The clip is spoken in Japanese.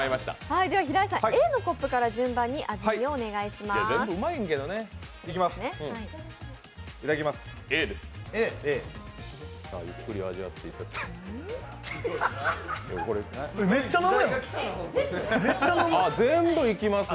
平井さん、Ａのコップから順に味見をお願いします。